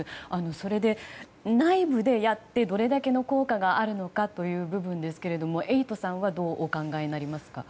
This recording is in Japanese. それで、内部でやってどれだけの効果があるのかという部分エイトさんはどうお考えになりますか？